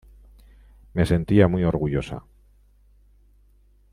Me sentía muy orgullosa.